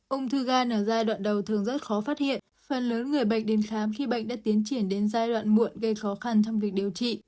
ung thư gan ở giai đoạn đầu thường rất khó phát hiện phần lớn người bệnh đến khám khi bệnh đã tiến triển đến giai đoạn muộn gây khó khăn trong việc điều trị